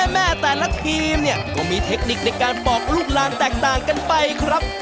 แม่แต่ละทีมเนี่ยก็มีเทคนิคในการบอกลูกลานแตกต่างกันไปครับ